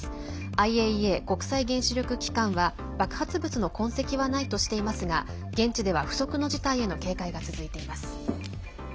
ＩＡＥＡ＝国際原子力機関は爆発物の痕跡はないとしていますが現地では、不測の事態への警戒が続いています。